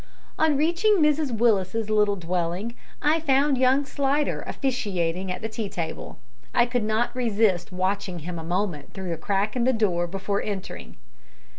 On reaching Mrs Willis's little dwelling, I found young Slidder officiating at the tea table. I could not resist watching him a moment through a crack in the door before entering.